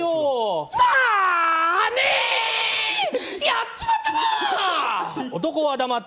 やっちまったな！